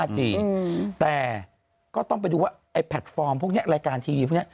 แต่ก็ต้องไปดูว่าไอ้แพลตฟอร์มพวกนี้รายการทีวีพวกนี้